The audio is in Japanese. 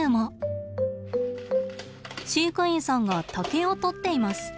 飼育員さんが竹をとっています。